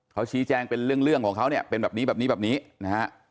เขาชี้แจงเป็นเรื่องของเขาเนี่ยเป็นแบบนี้แบบนี้แบบนี้นะฮะ